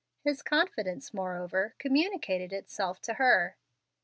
His confidence, moreover, communicated itself to her.